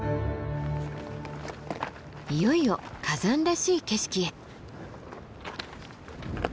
いよいよ火山らしい景色へ。